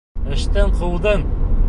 Эштән ҡыуҙың!